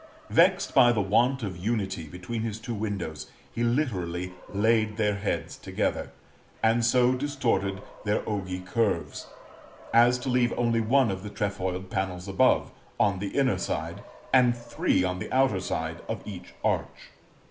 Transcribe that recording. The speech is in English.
Vexed by the want of unity between his two windows he literally laid their heads together, and so distorted their ogee curves, as to leave only one of the trefoiled panels above, on the inner side, and three on the outer side of each arch.